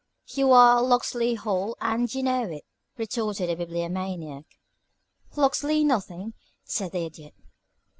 "You are 'Locksley Hall' and you know it," retorted the Bibliomaniac. "Locksley nothing," said the Idiot.